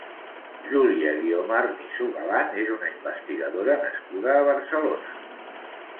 Julia Guiomar Niso Galán és una investigadora nascuda a Barcelona.